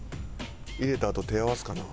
入れたあと手合わすかな？